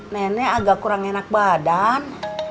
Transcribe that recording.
nenek agak kurang enak badan